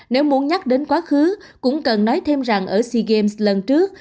nếu muốn nhắc đến quá khứ cũng cần nói thêm rằng ở sea games lần trước